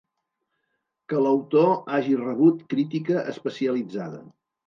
Que l'autor hagi rebut crítica especialitzada.